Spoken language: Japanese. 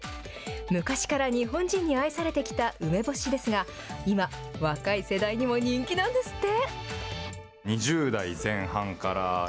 昔から日本人に愛されてきた梅干しですが、今、若い世代にも人気なんですって。